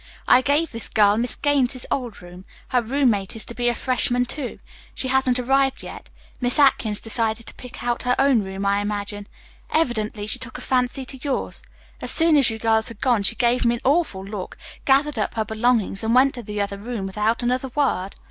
I gave this girl Miss Gaines's old room. Her roommate is to be a freshman, too. She hasn't arrived yet. Miss Atkins decided to pick out her own room, I imagine. Evidently she took a fancy to yours. As soon as you girls had gone, she gave me one awful look, gathered up her belongings, and went to the other room without another word.